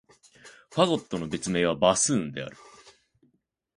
ファゴットの別名は、バスーンである。